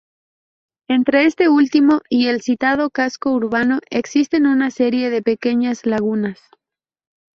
Entre este último y el citado casco urbano existen una serie de pequeñas lagunas.